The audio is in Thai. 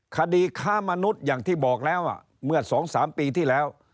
คดีค้ามนุษย์อย่างที่บอกแล้วเมื่อ๒๓ปีที่แล้ว